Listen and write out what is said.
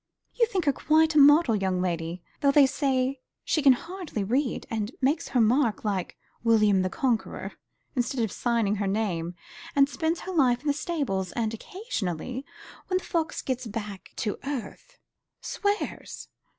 "You think her quite a model young lady, though they say she can hardly read, and makes her mark like William the Conqueror instead of signing her name, and spends her life in the stables, and occasionally, when the fox gets back to earth swears."